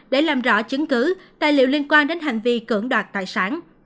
để làm rõ chứng cứ tài liệu liên quan đến hành vi cưỡng đoạt tài sản